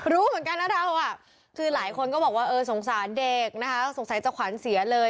รู้เหมือนกันนะเราคือหลายคนก็บอกว่าเออสงสารเด็กนะคะสงสัยจะขวัญเสียเลย